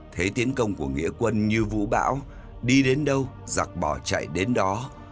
thấy tiến công của nghĩa quân như vũ bão đi đến đâu giặc bỏ chạy đến đó